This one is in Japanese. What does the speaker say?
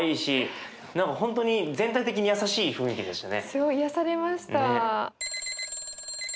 すごい癒やされました。